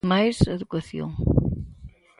Máis educación.